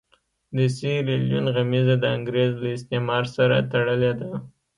د سیریلیون غمیزه د انګرېز له استعمار سره تړلې ده.